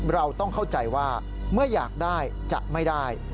เราต้องเข้าใจว่าเมื่ออยากได้จะไม่ได้